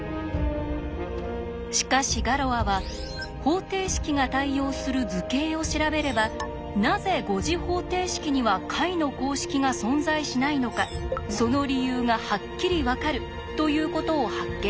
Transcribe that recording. しかしガロアは方程式が対応する図形を調べればなぜ５次方程式には解の公式が存在しないのかその理由がはっきり分かるということを発見したんです。